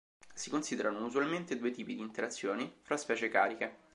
Si considerano usualmente due tipi di interazioni fra specie cariche.